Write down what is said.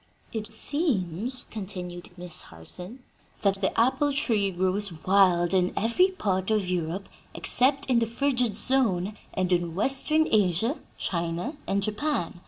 "It seems," continued Miss Harson, "that the apple tree grows wild in every part of Europe except in the frigid zone and in Western Asia, China and Japan.